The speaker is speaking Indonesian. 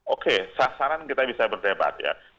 oke sasaran kita bisa berdebat ya